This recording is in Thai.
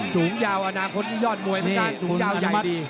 สูงยาวอนาคตยอดมวยสูงยาวใหญ่ดี